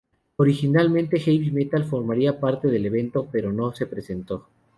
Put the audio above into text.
Originalmente Heavy Metal formaría parte del evento, pero no se presentó.